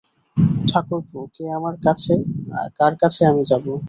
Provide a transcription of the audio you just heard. ঠাকুরপো, কে আমার আছে, কার কাছে যাব আমি।